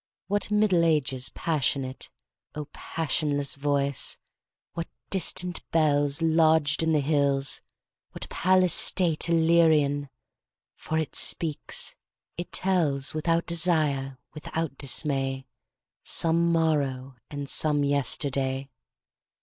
What Middle Ages passionate,O passionless voice! What distant bellsLodged in the hills, what palace stateIllyrian! For it speaks, it tells, Without desire, without dismay, Some morrow and some yesterday.